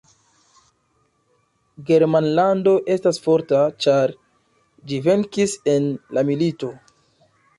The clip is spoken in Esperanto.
Germanlando estas forta, ĉar ĝi venkis en la milito.